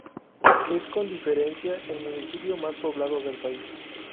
Es con diferencia el municipio más poblado del país.